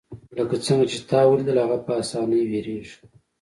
لکه څنګه چې تا ولیدل هغه په اسانۍ ویریږي